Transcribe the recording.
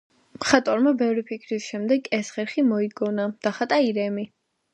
მხატვარმა ბევრი ფიქრის შემდეგ ეს ხერხი მოიგონა: დახატა ირემი,